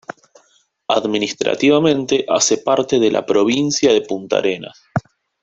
Administrativamente hace parte de la Provincia de Puntarenas.